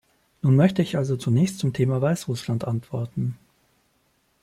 Nun möchte ich also zunächst zum Thema Weißrussland antworten.